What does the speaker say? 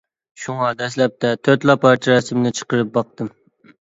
شۇڭا دەسلەپتە تۆتلا پارچە رەسىمنى چىقىرىپ باقتىم.